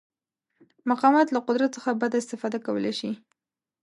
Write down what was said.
مقامات له قدرت څخه بده استفاده کولی شي.